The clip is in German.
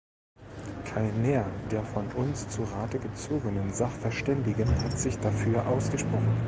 Keiner der von uns zu Rate gezogenen Sachverständigen hat sich dafür ausgesprochen.